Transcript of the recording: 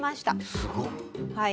すごっ。